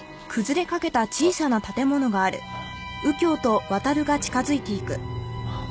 あっ。